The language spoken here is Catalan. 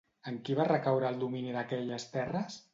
En qui va recaure el domini d'aquelles terres?